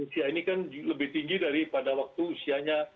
usia beliau itu lebih tinggi daripada waktu usianya